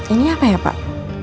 ini apa ya pak